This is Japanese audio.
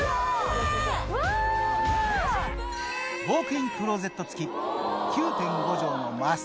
ウォークインクローゼット付き